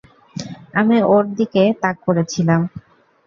আমি ওর দিকে তাক করেচিলাম।